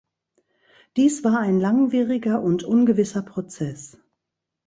Dies war ein langwieriger und ungewisser Prozess.